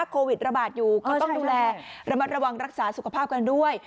โควิดระบาดอยู่ก็ต้องดูแลระมัดระวังรักษาสุขภาพกันด้วย